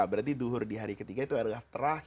berarti duhur di hari ketiga itu adalah terakhir